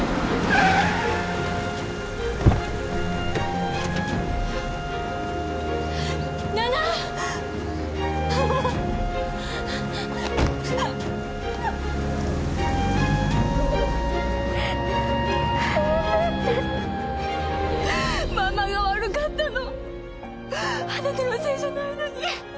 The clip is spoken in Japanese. あなたのせいじゃないのに。